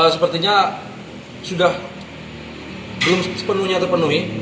sepertinya sudah belum sepenuhnya terpenuhi